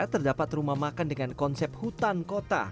terdapat rumah makan dengan konsep hutan kota